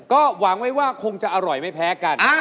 ก็หวังไว้ว่าคงจะอร่อยไม่แพ้กัน